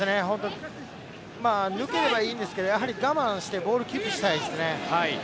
抜ければいいんですけど、我慢してボールをキープしたいですね。